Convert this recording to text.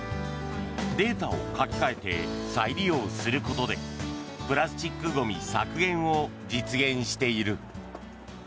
データを書き換えて再利用することでプラスチックゴミ削減を実現している。